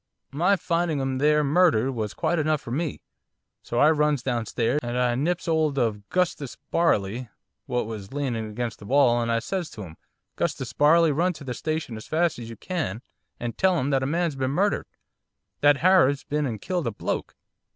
My finding 'im there murdered was quite enough for me. So I runs downstairs, and I nips 'old of 'Gustus Barley, what was leaning against the wall, and I says to him, "'Gustus Barley, run to the station as fast as you can and tell 'em that a man's been murdered, that Harab's been and killed a bloke."